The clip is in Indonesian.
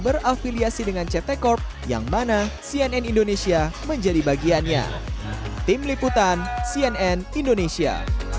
berafiliasi dengan ct corp yang mana cnn indonesia menjadi bagiannya tim liputan cnn indonesia